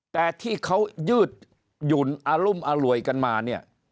แต่ที่เขายืดหยุ่นอรุมอร่วยกันมาเนี่ย